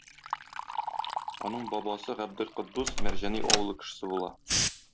Аның бабасы Габделкотдус Мәрҗани авылы кешесе була.